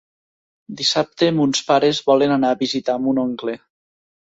Dissabte mons pares volen anar a visitar mon oncle.